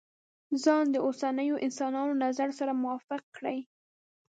ځان د اوسنيو انسانانو نظر سره موافق کړي.